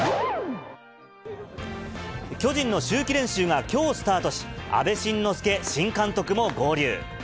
巨人の秋季練習がきょうスタートし、阿部慎之助新監督も合流。